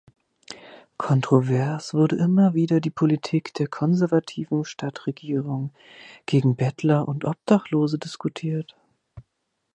Kontrovers wurde immer wieder die Politik der konservativen Stadtregierung gegen Bettler und Obdachlose diskutiert.